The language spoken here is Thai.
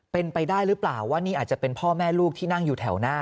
เป็นไปได้หรือเปล่าว่านี่อาจจะเป็นพ่อแม่ลูกที่นั่งอยู่แถวหน้า